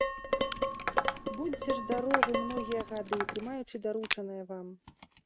Будзьце ж здаровы многія гады, трымаючы даручанае вам.